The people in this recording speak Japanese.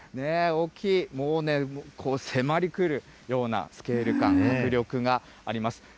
大きい、もうね、迫りくるようなスケール感、迫力があります。